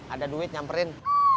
ada duit nyamperin